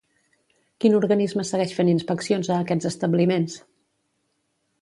Quin organisme segueix fent inspeccions a aquests establiments?